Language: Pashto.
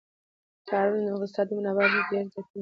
ښارونه د اقتصادي منابعو ارزښت ډېر زیاتوي.